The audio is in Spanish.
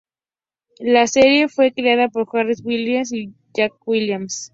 La serie fue creada por Harry Williams y Jack Williams.